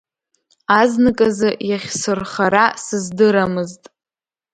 Азныказы иахьсырхара сыздырамызт.